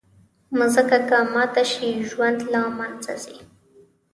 مځکه که ماته شي، ژوند له منځه ځي.